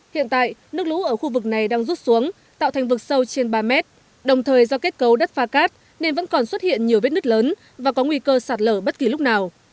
hiện tại nước lũ ở khu vực này đang rút xuống tạo thành vực sâu trên ba mét đồng thời do kết cấu đất pha cát nên vẫn còn xuất hiện nhiều vết nứt lớn và có nguy cơ sạt lở bất kỳ lúc nào